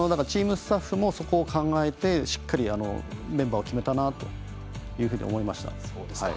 チームスタッフもそこを考えて、しっかりメンバーを決めたなというふうに思いました。